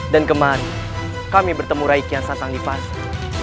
dan kemarin kami bertemu raiki yang santan lipasan